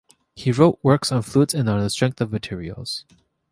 He wrote works on fluids and on the strength of materials.